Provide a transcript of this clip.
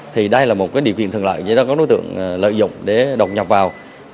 thì đây là một điều kiện thường lợi cho các đối tượng lợi dụng để độc nhập vào